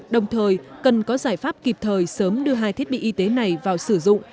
đồng thời cần có giải pháp kịp thời sớm đưa hai thiết bị y tế này vào sử dụng